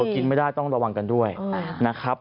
กินไม่ได้ต้องระวังกันด้วยนะครับ